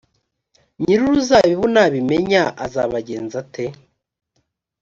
nyir uruzabibu nabimenya azabagenza ate